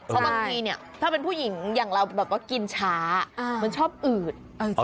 เพราะบางทีเนี่ยถ้าเป็นผู้หญิงอย่างเราแบบว่ากินช้ามันชอบอืด